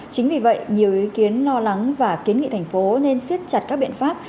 chính vì vậy nhiều ý kiến lo lắng và kiến nghị thành phố nên siết chặt các biện pháp